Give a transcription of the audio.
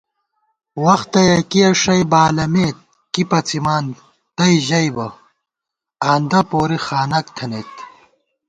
وختہ یَکِیَہ ݭَئ بالَمېت کی پَڅِمان تئ ژَئیبہ، آندہ پوری خانَک تھنَئیت